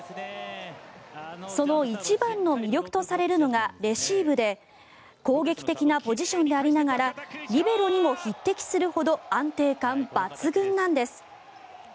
その一番の魅力とされるのがレシーブで攻撃的なポジションでありながらリベロにも匹敵するほど安定感抜群なんです。